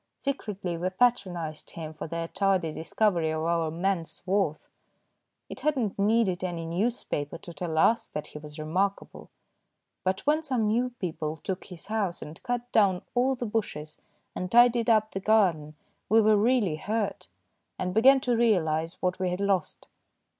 Secretly we patronised them for their tardy discovery of our man's worth ; it had not needed any newspaper to tell us that he was remarkable. But when some THE WOOL GATHERER 203 new people took his house and cut down all the bushes and tidied up the garden we were really hurt, and began to realise what we had lost.